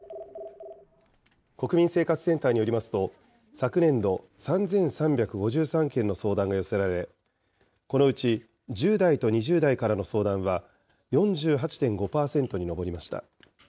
国民生活センターによりますと、昨年度、３３５３件の相談が寄せられ、このうち１０代と２０代からの相談は４８．５％に上りました。